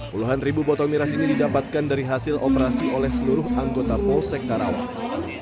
puluhan ribu botol miras ini didapatkan dari hasil operasi oleh seluruh anggota polsek karawang